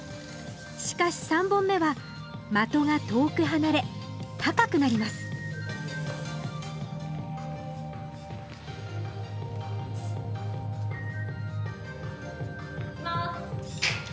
しかし３本目は的が遠く離れ高くなりますいきます。